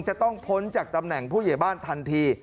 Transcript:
จะต้องพ้นจากตำแหน่งผู้ใหญ่บ้านทันที